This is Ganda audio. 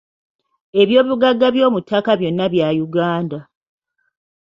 Ebyobugagga byomuttakka byonna bya Uganda.